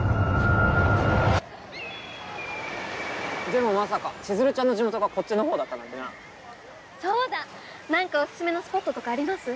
でもまさか千鶴ちゃんの地元がこっちのほうだったなんてなそうだ何かオススメのスポットとかあります？